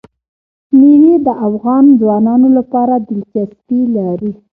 مېوې د افغان ځوانانو لپاره دلچسپي لري.